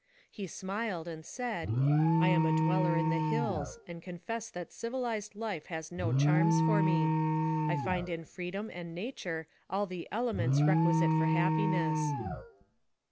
He smiled and said, "I am a dweller in the hills, and confess that civilized life has no charms for me. I find in freedom and nature all the elements requisite for happiness."